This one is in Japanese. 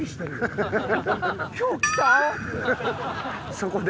そこで？